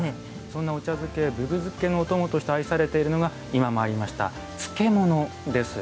そんなお茶漬けぶぶ漬けのお供として愛されているのが今もありました漬物です。